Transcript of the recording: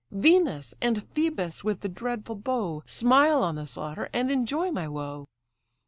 Venus, and Phœbus with the dreadful bow, Smile on the slaughter, and enjoy my woe.